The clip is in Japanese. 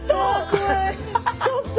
ちょっと！